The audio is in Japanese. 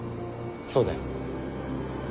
そうだよ。